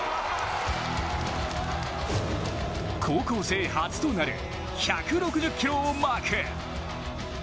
高校生初となる１６０キロをマーク。